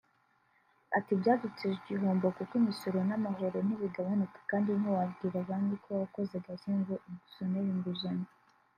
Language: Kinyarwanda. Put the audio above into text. Ati “Byaduteje ibihombo kuko imisoro n’amahoro ntibigabanuka kandi ntiwabwira banki ko wakoze gake ngo igusonere inguzanyo